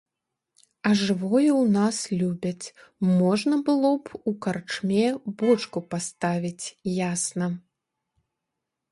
А жывое ў нас любяць, можна было б у карчме бочку паставіць, ясна.